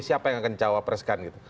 siapa yang akan cawa preskan gitu